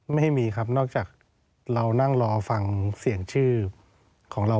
ไม่มีครับนอกจากเรานั่งรอฟังเสียงชื่อของเรา